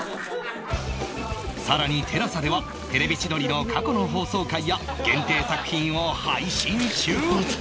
更に ＴＥＬＡＳＡ では『テレビ千鳥』の過去の放送回や限定作品を配信中